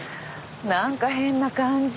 なんか変な感じ。